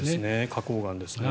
花こう岩ですね。